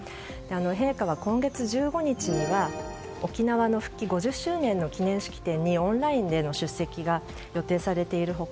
陛下は今月１５日には沖縄の復帰５０周年の記念式典にオンラインでの出席が予定されている他